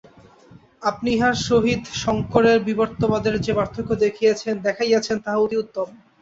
আপনি ইহার সহিত শঙ্করের বিবর্তবাদের যে পার্থক্য দেখাইয়াছেন, তাহা অতি উত্তম।